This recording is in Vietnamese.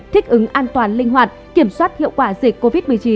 thích ứng an toàn linh hoạt kiểm soát hiệu quả dịch covid một mươi chín